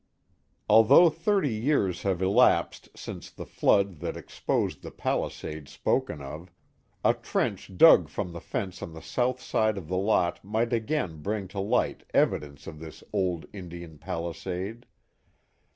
Although thirty years have elapsed since the flood that Wolf Hollow 315 exposed the palisade spoken of, a trench dug fcom the fence on the south side of the lot might again bring to light evidence of this old Indian palisade.